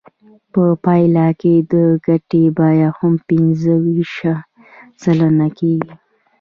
په پایله کې د ګټې بیه هم پنځه ویشت سلنه کېږي